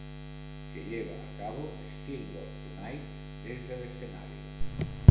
Se lleva a cabo "Still Got Tonight" desde el escenario.